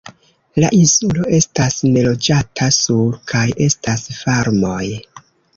La insulo estas neloĝata, sur kaj estas farmoj.